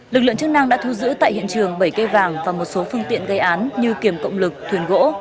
lực lượng chức năng đã thu giữ tại hiện trường bảy cây vàng và một số phương tiện gây án như kiểm cộng lực thuyền gỗ